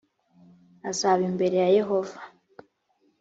azaba imbere ya yehova